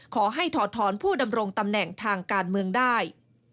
ถอดถอนผู้ดำรงตำแหน่งทางการเมืองได้